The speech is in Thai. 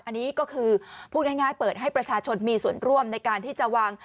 อันนี้ก็คือพูดง่ายเปิดให้ประชาชนมีส่วนร่วมในการที่จะวาง